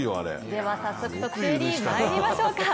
では早速特集にまいりましょうか。